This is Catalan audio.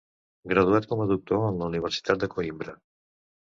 Graduat com a Doctor en la Universitat de Coïmbra.